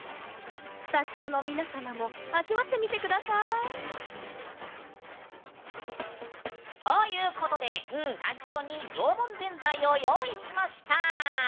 スタジオの皆様も味わってみてください。ということでスタジオに縄文ぜんざいを用意しました。